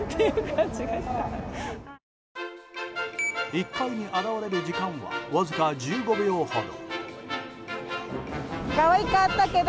１回に現れる時間はわずか１５秒ほど。